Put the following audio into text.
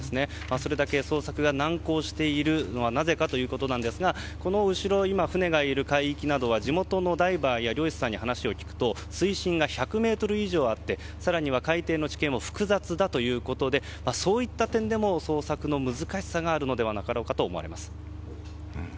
それだけ捜索が難航しているのはなぜかということなんですがこの後ろ、今船がいる海域などは地元のダイバーや漁師さんに話を聞くと水深が１００ｍ以上あって更には海底の地形も複雑だということでそういった点でも捜索の難しさがあるのではと思われます。